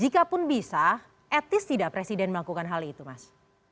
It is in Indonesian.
jika pun bisa at least tidak presiden melakukan hal itu mas